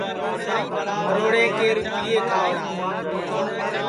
مروڑے کے رِپِئے کھاؤڑا